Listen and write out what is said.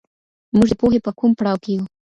موږ د پوهي په کوم پړاو کي يو؟